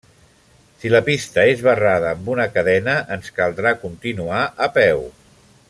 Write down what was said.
Si la pista és barrada amb una cadena, ens caldrà continuar a peu.